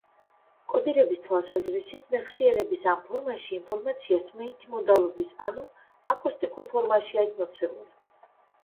კოდირების თვალსაზრისით მეხსიერების ამ ფორმაში ინფორმაცია სმენითი მოდალობის ანუ აკუსტიკურ ფორმაშია მოცემული.